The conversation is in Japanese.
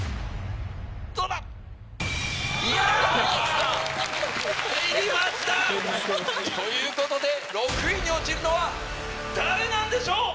⁉どうだ⁉入りました！ということで６位に落ちるのは誰なんでしょう